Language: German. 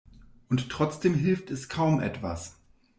Und trotzdem hilft es kaum etwas.